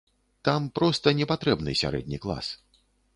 Там проста не патрэбны сярэдні клас.